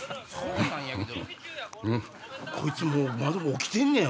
こいつもう起きてんねや。